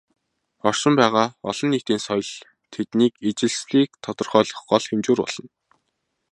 Оршин байгаа "олон нийтийн соёл" тэдний ижилслийг тодорхойлох гол хэмжүүр болно.